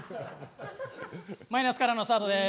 マイナスからのスタートです。